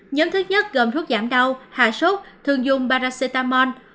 nhóm thứ nhất gồm thuốc giảm đau hạ sốt thường dùng baracetamon